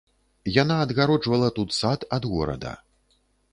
Яна адгароджвала тут сад ад горада.